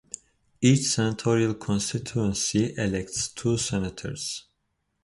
Each senatorial constituency elects two Senators.